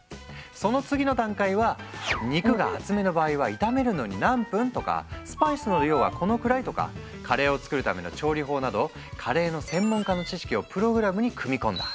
その次の段階は肉が厚めの場合は炒めるのに何分とかスパイスの量はこのくらいとかカレーを作るための調理法などカレーの専門家の知識をプログラムに組み込んだ。